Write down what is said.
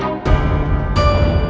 ayu dan bram